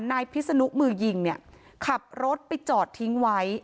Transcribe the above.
นายพิษนุมือยิงเนี่ยขับรถไปจอดทิ้งไว้